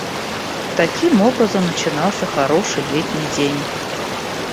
Таким образом начинался хороший летний день.